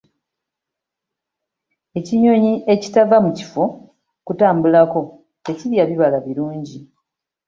Ekinyonyi ekitava mu kifo kutambulako tekirya bibala birungi.